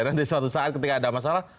dan di suatu saat ketika ada masalah